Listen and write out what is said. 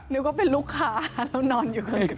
นึกว่าเป็นลูกค้าแล้วนอนอยู่กับลูกค้า